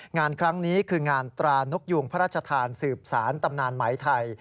งานครั้งนี้คืองานตรานกยูงพระราชทานสืบสารตำนานไหมไทย